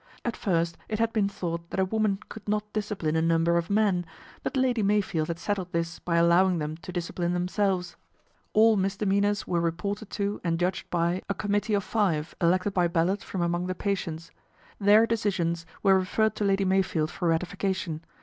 At first it had been thought that a woman could not discipline a number of men ; but Lady Mey field had settled this by allowing them to dis cipline themselves. All misdemeanours were re 136 PATRICIA BRENT, SPINSTER ported to and judged by a committee of five elected by ballot from among the patients. Their decisions were referred to Lady Meyfield for ratification.